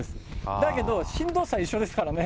だけど、しんどさ一緒ですからね。